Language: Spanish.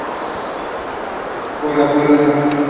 Por acuerdo No.